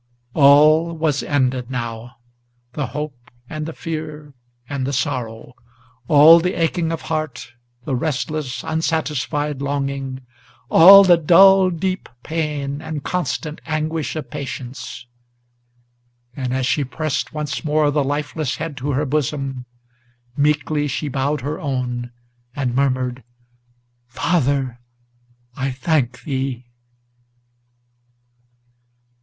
All was ended now, the hope, and the fear, and the sorrow, All the aching of heart, the restless, unsatisfied longing, All the dull, deep pain, and constant anguish of patience! And, as she pressed once more the lifeless head to her bosom, Meekly she bowed her own, and murmured, "Father, I thank thee!"